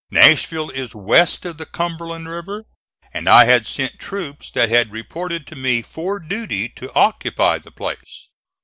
Nashville is west of the Cumberland River, and I had sent troops that had reported to me for duty to occupy the place.